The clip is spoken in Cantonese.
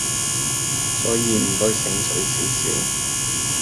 所以唔該醒水少少